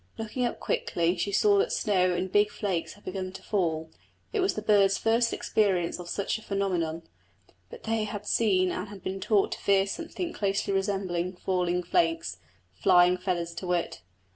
Looking up quickly she saw that snow in big flakes had begun to fall. It was the birds' first experience of such a phenomenon, but they had seen and had been taught to fear something closely resembling falling flakes flying feathers to wit.